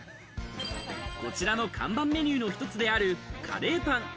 こちらの看板メニューの１つであるカレーパン。